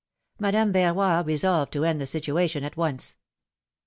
Madame Verroy resolved to end the situation at once.